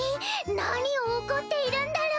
何を怒っているんだろう？